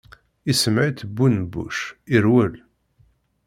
Issemɣi-tt bu nnbuc, irwel.